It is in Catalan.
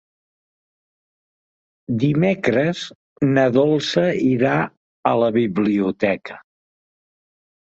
Dimecres na Dolça irà a la biblioteca.